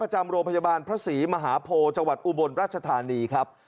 จำโรงพยาบาลพระศรีมหาโพจังหวัดอุบลรัชธานีครับ